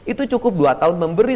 itu cukup dua tahun memberi